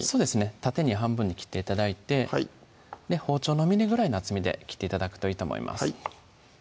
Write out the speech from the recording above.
縦に半分に切って頂いて包丁の峰ぐらいの厚みで切って頂くといいと思います